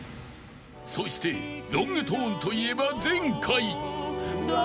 ［そしてロングトーンといえば前回］